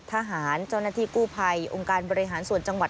เจ้าหน้าที่กู้ภัยองค์การบริหารส่วนจังหวัด